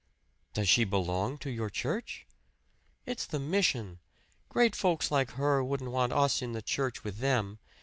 "Does she belong to your church?" "It's the mission. Great folks like her wouldn't want us in the church with them.